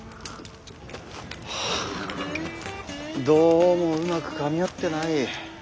どうもうまくかみ合ってない。